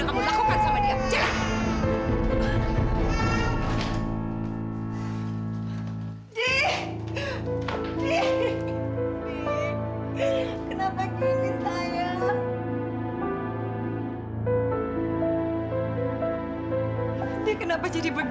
insya allah juli akan bisa cepat ketemu